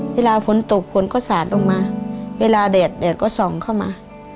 เวลาฝนตกฝนก็สาดลงมาเวลาแดดแดดก็ส่องเข้ามา